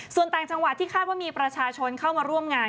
ส่วนต่างจังหวัดที่คาดว่ามีประชาชนเข้ามาร่วมงาน